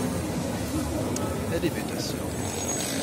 Elle aimait ta sœur.